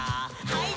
はい。